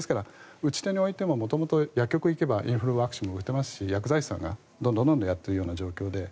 打ち手についても元々薬局に行けばインフルワクチンも打てますし薬剤師さんがどんどんやっている状況で。